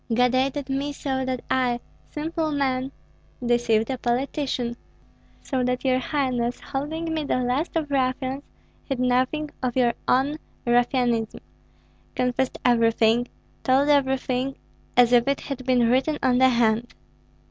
God aided me, so that I, simple man, deceived a politician, so that your highness, holding me the last of ruffians, hid nothing of your own ruffianism, confessed everything, told everything, as if it had been written on the hand.